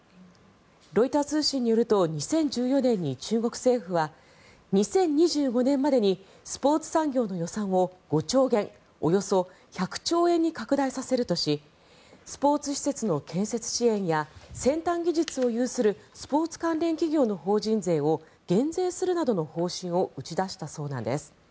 ロイター通信によると２０１４年に中国政府は２０２５年までにスポーツ産業の予算を５兆元、およそ１００兆円に拡大させるとしスポーツ施設の建設支援や先端技術を有するスポーツ関連企業の法人税を減税するなどの方針を打ち出したそうなんです。